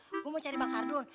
aku mau cari bang kardun